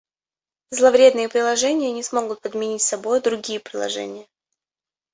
Зловредные приложения не смогут подменить собою другие приложения